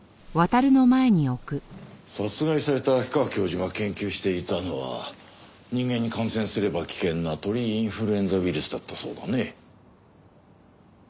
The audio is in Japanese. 殺害された秋川教授が研究していたのは人間に感染すれば危険な鳥インフルエンザウイルスだったそうだね。